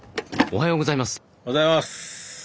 おはようございます。